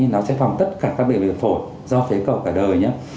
nó sẽ phòng tất cả các bệnh viện phổ do phế cầu cả đời nhé